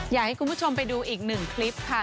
อยากให้คุณผู้ชมไปดูอีกหนึ่งคลิปค่ะ